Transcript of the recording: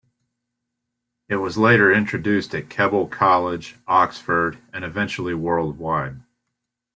It was later introduced at Keble College, Oxford and eventually worldwide.